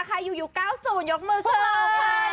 ใครอยู่ยุค๙๐ยกมือเพื่อน